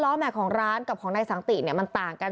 ล้อแม็กของร้านกับของนายสังติมันต่างกัน